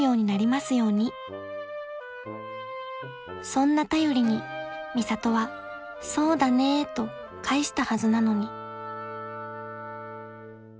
［そんな便りにミサトは「そうだねー」と返したはずなのに］